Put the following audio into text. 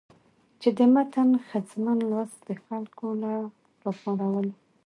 چې د متن ښځمن لوست د خلکو له راپارولو